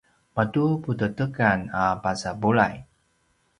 matu putedekan a pasa bulay